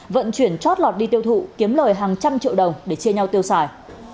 vận chuyển chót lọt đi tiêu thụ kiếm lời hàng trăm triệu đồng để chia nhau tiêu xài